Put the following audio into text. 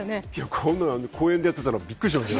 こんなの公園でやってたらびっくりしますよ。